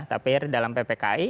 tapi dalam ppki